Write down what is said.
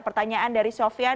pertanyaan dari sofian